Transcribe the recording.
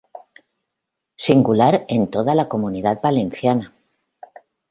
Singular en toda la Comunidad Valenciana.